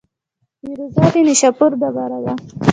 فیروزه د نیشاپور ډبره ده.